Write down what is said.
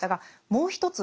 もう一つ